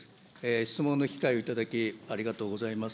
質問の機会を頂き、ありがとうございます。